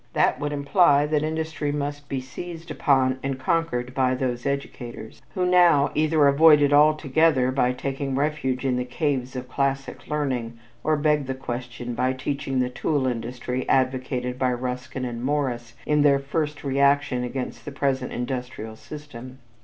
That would imply that industry must be seized upon and conquered by those educators, who now either avoid it altogether by taking refuge in the caves of classic learning or beg the question by teaching the tool industry advocated by Ruskin and Morris in their first reaction against the present industrial system.